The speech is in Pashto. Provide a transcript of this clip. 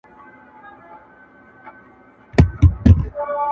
لويان ئې پر کور کوي، کوچنيان ئې پر بېبان.